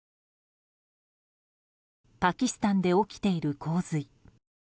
パキスタンで起きている洪水。